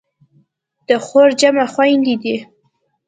د خور جمع خویندې دي.